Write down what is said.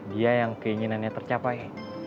dia yang keinginannya tercapai